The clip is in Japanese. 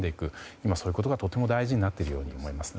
今そういうことがとても大事になっていると思いますね。